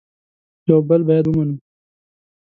یو بل باید ومنو